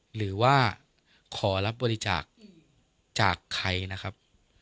หรือว่าขอรับบริจาคจากใครนะครับ